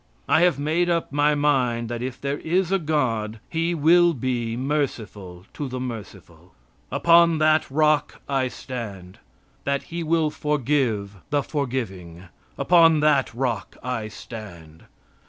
I have made up my mind that if there is a God, he will be merciful to the merciful. Upon that rock I stand. That he will forgive the forgiving. Upon that rock I stand.